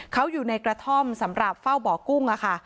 เขาอยู่ในกระท่อมสำหรับเฝ้าบ่อกุ้งค่ะ